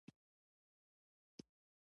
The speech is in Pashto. خو د کعبې کیلي له شیبه کورنۍ چا وانخیسته.